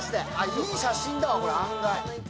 いい写真だわ、案外。